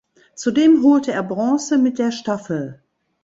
Zudem holte er Bronze mit der Staffel.